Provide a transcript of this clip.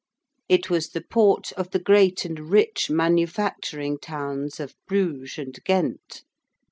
It was the port of the great and rich manufacturing towns of Bruges and Ghent.